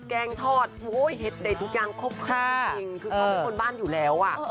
แกงทอดเห็ดเด็ดทุกอย่างครบคร่าจริงคือเขาเป็นคนบ้านอยู่แล้วอ่ะ